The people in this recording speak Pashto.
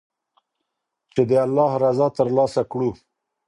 چې د الله رضا تر لاسه کړو.